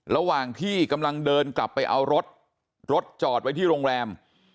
ระหว่างที่กำลังเดินกลับไปเอารถรถจอดไว้ที่โรงแรม